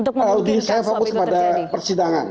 kalau di saya sebut kepada persidangan